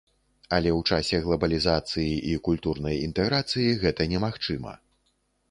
Але ў часе глабалізацыі і культурнай інтэграцыі гэта немагчыма.